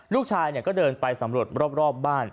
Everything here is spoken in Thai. ลูกชายก็เดินไปสำรวจรอบบ้าน